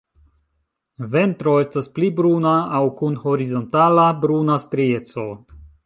Ventro estas pli bruna aŭ kun horizontala bruna strieco.